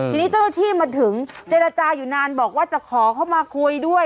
ทีนี้เจ้าหน้าที่มาถึงเจรจาอยู่นานบอกว่าจะขอเข้ามาคุยด้วย